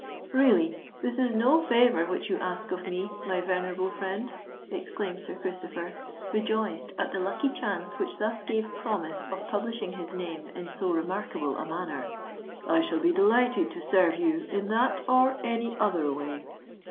"Really this is no favour which you ask of me, my venerable friend," exclaimed Sir Christopher, rejoiced at the lucky chance which thus gave promise of publishing his name in so remarkable a manner. "I shall be delighted to serve you in that or any other way.